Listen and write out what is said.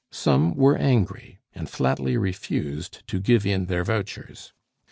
Some were angry, and flatly refused to give in their vouchers.